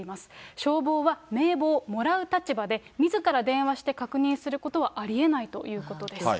消防は、名簿をもらう立場で、みずから電話して確認することはありえないということです。